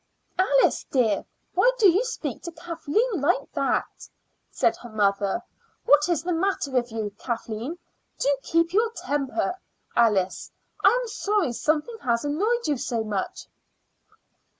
"Alice, dear, why do you speak to Kathleen like that?" said her mother. "What is the matter with you? Kathleen, do keep your temper. Alice, I am sorry something has annoyed you so much."